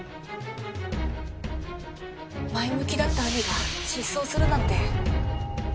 前向きだった兄が失踪するなんて。